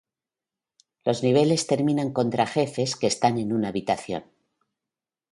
Los niveles terminan contra jefes que están en una habitación.